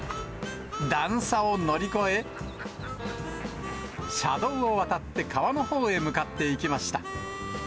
段差を乗り越え、車道を渡って、川のほうへ向かっていきました。